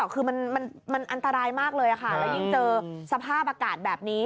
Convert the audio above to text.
คือมันอันตรายมากเลยค่ะแล้วยิ่งเจอสภาพอากาศแบบนี้